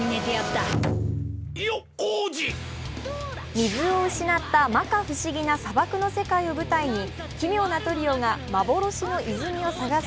水を失った摩訶不思議な砂漠の世界を舞台に奇妙なトリオが幻の泉を探す